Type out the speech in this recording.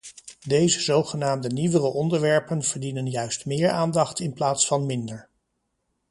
Deze zogenaamde nieuwere onderwerpen verdienen juist meer aandacht in plaats van minder.